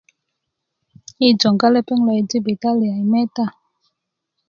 yi jonga lepeŋ lo i jibitalia i meta